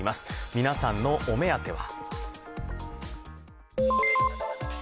皆さんのお目当ては？